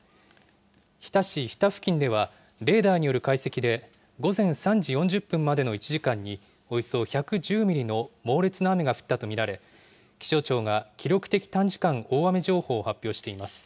日田市日田付近では、レーダーによる解析で、午前３時４０分までの１時間に、およそ１１０ミリの猛烈な雨が降ったと見られ、気象庁が記録的短時間大雨情報を発表しています。